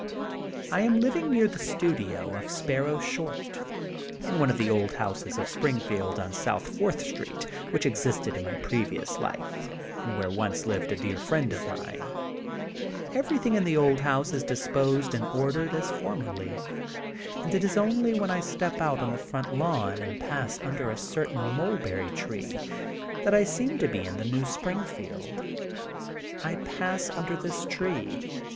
I am living near the studio of Sparrow Short, in one of the old houses of Springfield on South Fourth Street which existed in my previous life, and where once lived a dear friend of mine. Everything in the eld house is disposed and ordered as formerly, and it is only when I step out on the front lawn and pass under / THE GOLDEN BOOK OF SPRINGFIELD 77 a certain mnlberry tree that I seem to be in the New Springfield. I pass under this tree.